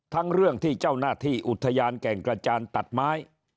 เรื่องที่เจ้าหน้าที่อุทยานแก่งกระจานตัดไม้